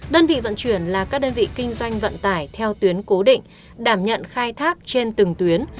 đơn vị vận chuyển là các đơn vị kinh doanh vận tải theo tuyến cố định đảm nhận khai thác trên từng tuyến